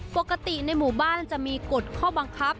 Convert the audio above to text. ปกติในหมู่บ้านจะมีกฎข้อบังคับ